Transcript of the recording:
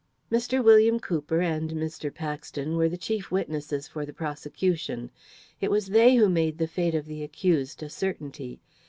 Mr. William Cooper and Mr. Paxton were the chief witnesses for the prosecution. It was they who made the fate of the accused a certainty.